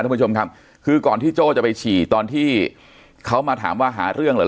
ท่านผู้ชมครับคือก่อนที่โจ้จะไปฉี่ตอนที่เขามาถามว่าหาเรื่องเหรอ